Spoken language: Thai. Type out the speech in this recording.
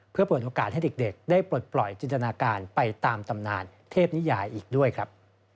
เพื่อเปิดโอกาสให้เด็กได้ปลดปล่อยจินตนาการไปตามตำนานเทพนิยายอีกด้วยครับ